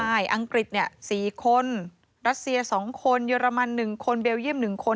ใช่อังกฤษ๔คนรัสเซีย๒คนเยอรมัน๑คนเบลเยี่ยม๑คน